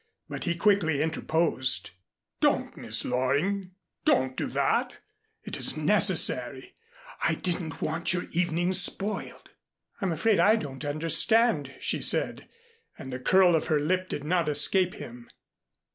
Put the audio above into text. But he quickly interposed. "Don't, Miss Loring. Don't do that. It isn't necessary. I didn't want your evening spoiled." "I'm afraid I don't understand," she said, and the curl of her lip did not escape him.